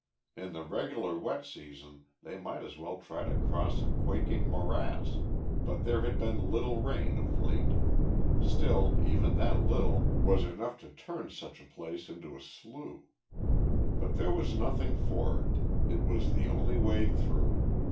In the regular wet season they might as well try to cross a quaking morass, but there had been little rain of late, still even that little was enough to turn such a place into a slough. But there was nothing for it. It was the only way through.